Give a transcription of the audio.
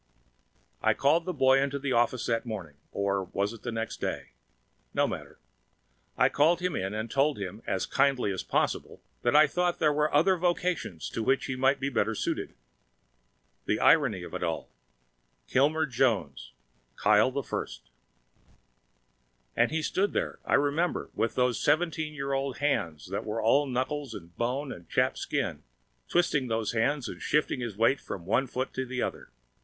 I called the boy to the office that morning or was it the next day? No matter. I called him in and told him, as kindly as possible, that I thought there were other vocations to which he might be better suited. The irony of it! Kilmer Jones Kyle I! And he stood there, I remember, with those seventeen year old hands that were all knuckles and bone and chapped skin, twisting those hands and shifting his weight from one foot to the other.